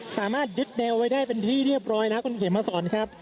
สามารถยึดแนวไว้ได้เป็นที่เรียบร้อยแล้วคุณเขมมาสอนครับ